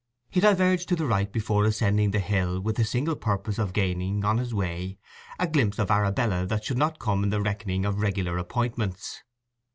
He diverged to the right before ascending the hill with the single purpose of gaining, on his way, a glimpse of Arabella that should not come into the reckoning of regular appointments.